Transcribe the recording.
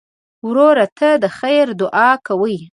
ورور ته د خیر دعا کوې.